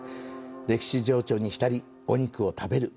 歴史情緒に浸り、お肉を食べる。